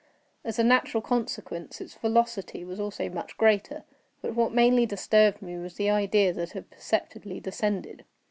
As a natural consequence, its velocity was also much greater. But what mainly disturbed me was the idea that had perceptibly descended.